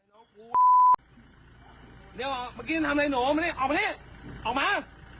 น้องกูเรียกว่าเมื่อกี้มันทำอะไรหนูมานี่ออกมานี่ออกมา